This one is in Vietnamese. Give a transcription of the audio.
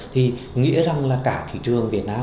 thì nghĩa rằng là cả thị trường việt nam